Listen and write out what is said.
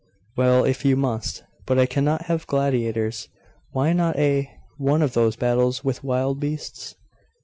'Well, if you must but I cannot have gladiators. Why not a one of those battles with wild beasts?